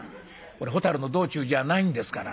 蛍の道中じゃないんですから。